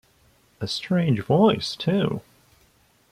A strange voice, too!